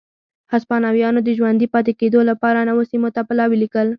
هسپانویانو د ژوندي پاتې کېدو لپاره نورو سیمو ته پلاوي لېږل.